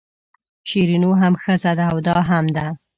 شیرینو هم ښځه ده او دا هم ده.